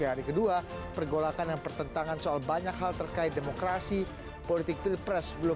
hari kedua pergolakan dan pertentangan soal banyak hal terkait demokrasi politik pilpres belum